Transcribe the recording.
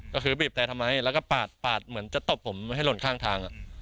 ก็คือบีบแต่ทำไมแล้วก็ปาดปาดเหมือนจะตบผมให้หล่นข้างทาง